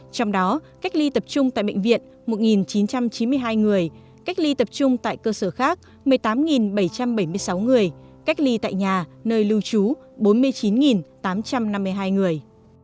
trong đó cách ly tập trung tại bệnh viện một chín trăm chín mươi hai người cách ly tập trung tại cơ sở khác một mươi tám bảy trăm bảy mươi sáu người cách ly tại nhà nơi lưu trú bốn mươi chín tám trăm năm mươi hai người